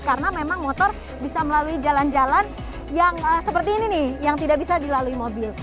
karena memang motor bisa melalui jalan jalan yang seperti ini nih yang tidak bisa dilalui mobil